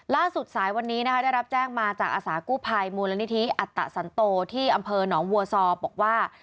ล่างสุดสายวันนี้ได้รับแจ้งมาจากอสาคกู้ภัยมูลนิธิอัตตสันโตที่อำเภอน้องวัวสอบบอกว่า